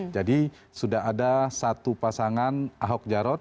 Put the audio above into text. jadi sudah ada satu pasangan ahok jarot